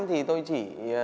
thì tôi chỉ